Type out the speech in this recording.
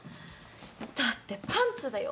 だってパンツだよ？